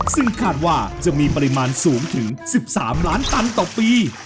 ซึ่งคาดว่าจะมีปริมาณสูงถึง๑๓ล้านตันต่อปี